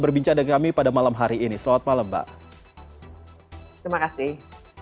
berbincang dengan kami pada malam hari ini selamat malam mbak terima kasih